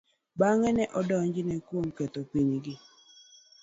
Bang'e, ne odonjne kuom ketho pinygi.